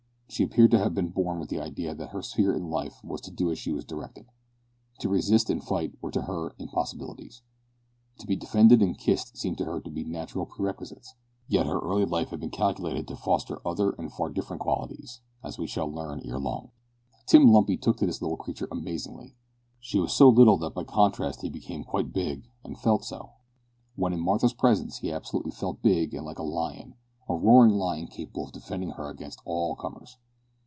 She appeared to have been born with the idea that her sphere in life was to do as she was directed. To resist and fight were to her impossibilities. To be defended and kissed seemed to be her natural perquisites. Yet her early life had been calculated to foster other and far different qualities, as we shall learn ere long. Tim Lumpy took to this little creature amazingly. She was so little that by contrast he became quite big, and felt so! When in Martha's presence he absolutely felt big and like a lion, a roaring lion capable of defending her against all comers!